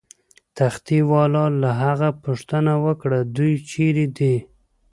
تختې والاو له هغه پوښتنه وکړه: دوی چیرې دي؟